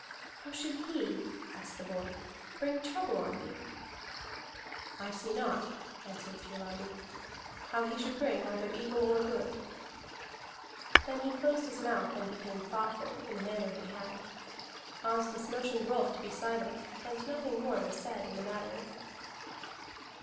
"How should he," asked the boy, "bring trouble on thee?" "I see not," answered Hiarandi, "how he should bring either evil or good." Then he closed his mouth and became thoughtful, in a manner he had. Asdis motioned Rolf to be silent, and nothing more was said in the matter.